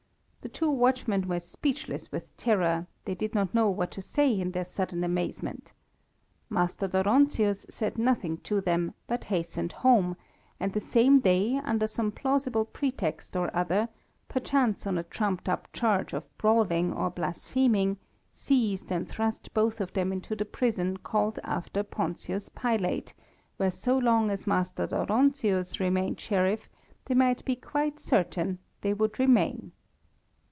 The two watchmen were speechless with terror, they did not know what to say in their sudden amazement. Master Dóronczius said nothing to them, but hastened home, and the same day, under some plausible pretext or other, perchance on a trumped up charge of brawling or blaspheming, seized and thrust both of them into the prison called after Pontius Pilate, where so long as Master Dóronczius remained Sheriff they might be quite certain they would remain.